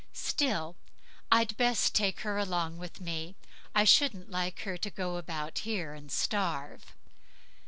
Still, I'd best take her along with me; I shouldn't like her to go about here and starve."